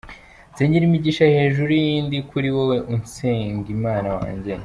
Nsengera imigisha hejuru y'indi kuri wowe Usengimana wanjye.